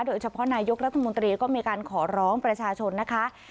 โดยเฉพาะนายกรัฐมนตรีก็มีการขอร้องประชาชนนะคะ